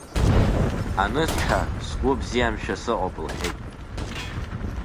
Анысҳәа, сгәы бзиамшәа сыҟоуп, – лҳәеит.